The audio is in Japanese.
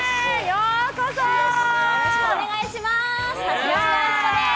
よろしくお願いします！